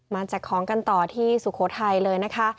แจกของกันต่อที่สุโขทัยเลยนะคะ